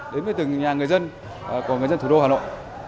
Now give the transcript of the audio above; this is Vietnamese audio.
đến với từng nhà người dân của người dân thủ đô hà nội